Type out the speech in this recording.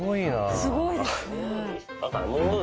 すごいですね。